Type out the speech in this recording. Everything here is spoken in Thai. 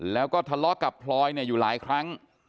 แล้วก็ทะเลาะกับพลอยอยู่หลายครั้ง